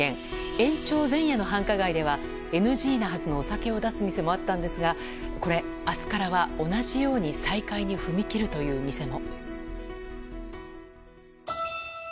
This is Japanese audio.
延長前夜の繁華街ではＮＧなはずのお酒を出す店もあったんですがこれ、明日からは同じように再開に踏み切るという店も。